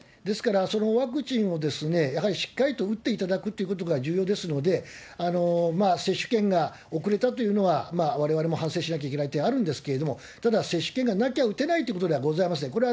ですから、そのワクチンをやはりしっかりと打っていただくということが重要ですので、接種券が遅れたというのはわれわれも反省しなきゃいけない点あるんですけれども、ただ、接種券がなきゃ打てないということではございません。